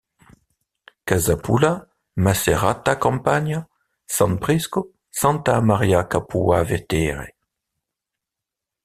Casapulla, Macerata Campania, San Prisco, Santa Maria Capua Vetere.